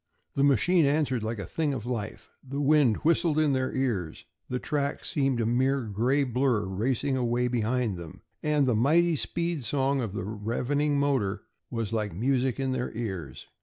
The machine answered like a thing of life. The wind whistled in their ears, the track seemed a mere gray blur racing away behind them, and the mighty speed song of the ravening motor was like music in their ears.